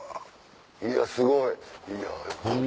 いやすごい！